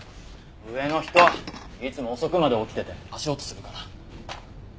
上の人いつも遅くまで起きてて足音するから。